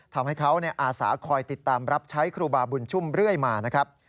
ทำให้เขาอาสาคอยติดตามรับใช้ครูบาบุญชุ่มเรื่อยมานะครับ